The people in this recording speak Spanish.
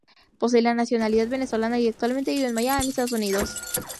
Posee la nacionalidad venezolana, y actualmente vive en Miami, Estados Unidos.